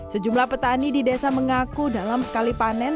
sejumlah petani di desa mengaku dalam sekali panen